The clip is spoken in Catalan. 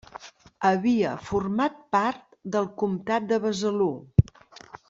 Havia format part del comtat de Besalú.